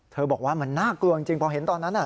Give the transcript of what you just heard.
บอกว่ามันน่ากลัวจริงพอเห็นตอนนั้น